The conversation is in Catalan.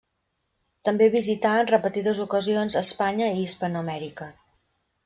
També visità, en repetides ocasions, Espanya i Hispanoamèrica.